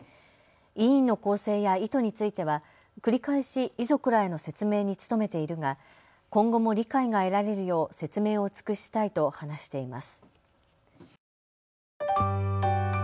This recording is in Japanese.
委員の構成や意図については繰り返し遺族らへの説明に努めているが今後も理解が得られるよう説明を尽くしたいと話しています。